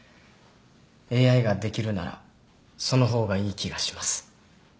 ＡＩができるならその方がいい気がします。